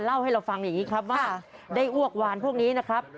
เล่าให้เราฟังอย่างนี้ครับว่าได้อ้วกวานพวกนี้นะครับ